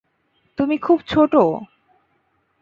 তুমি খুব ছোট।